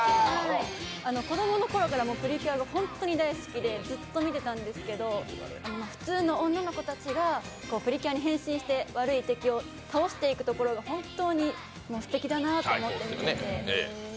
子供のころからプリキュアが本当に大好きでずっと見てたんですけど、普通の女の子たちがプリキュアに変身して悪い敵を倒していくところが本当にすてきだなと思っていて。